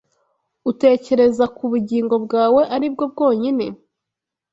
utekereza ku bugingo bwawe aribwo bwonyine